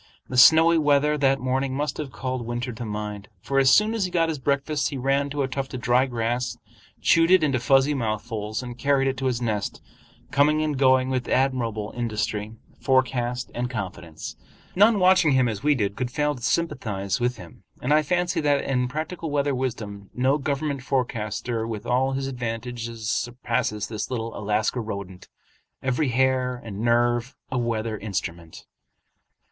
The snowy weather that morning must have called winter to mind; for as soon as he got his breakfast, he ran to a tuft of dry grass, chewed it into fuzzy mouthfuls, and carried it to his nest, coming and going with admirable industry, forecast, and confidence. None watching him as we did could fail to sympathize with him; and I fancy that in practical weather wisdom no government forecaster with all his advantages surpasses this little Alaska rodent, every hair and nerve a weather instrument.